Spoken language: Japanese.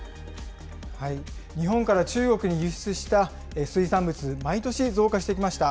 日本から中国に輸出した水産物、毎年増加してきました。